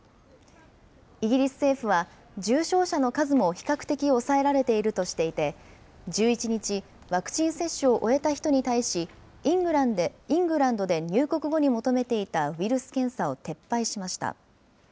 イギリス政府は、重症者の数も比較的抑えられているとしていて、１１日、ワクチン接種を終えた人に対し、イングランドで入国後に求めていたウイルス検査を撤廃しました。